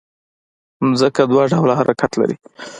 ځمکه دوه ډوله حرکت لري